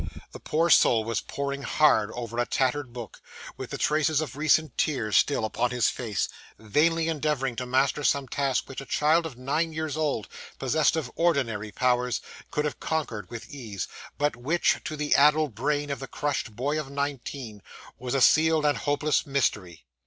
The poor soul was poring hard over a tattered book, with the traces of recent tears still upon his face; vainly endeavouring to master some task which a child of nine years old, possessed of ordinary powers, could have conquered with ease, but which, to the addled brain of the crushed boy of nineteen, was a sealed and hopeless mystery.